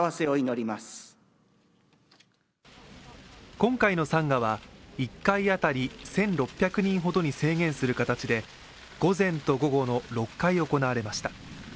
今回の参賀は１回当たり１６００人ほどに制限する形で午前と午後の６回行われました。